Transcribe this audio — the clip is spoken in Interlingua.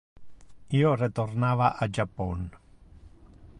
Io retornava a Japon.